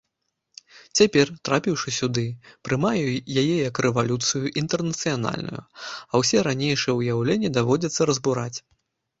Цяпер, трапіўшы сюды, прымаю яе як рэвалюцыю інтэрнацыянальную, а ўсе ранейшыя ўяўленні даводзіцца разбураць.